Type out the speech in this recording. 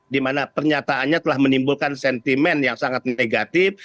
dimana pernyataannya telah menimbulkan sentimen yang sangat negatif